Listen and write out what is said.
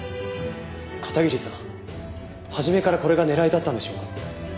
片桐さん初めからこれが狙いだったんでしょうか？